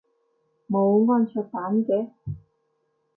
冇安卓版嘅？